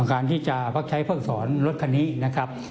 การที่จะพักใช้เพิ่งสอนรถคันนี้นะครับ